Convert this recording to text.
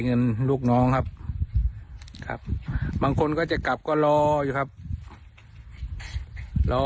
ลูกน้องครับครับบางคนก็จะกลับก็รออยู่ครับรอ